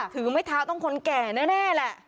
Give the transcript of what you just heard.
ถือไม้เท้าต้องคนแก่แน่แหละ